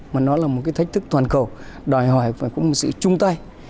mà nó là một thách thức toàn cầu đòi hỏi và cũng sự chung tay